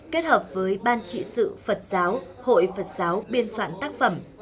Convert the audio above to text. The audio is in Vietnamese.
kết hợp với ban trị sự phật giáo hội phật giáo biên soạn tác phẩm